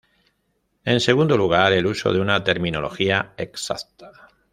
En segundo lugar, el uso de una terminología exacta.